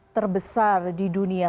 terbesar di dunia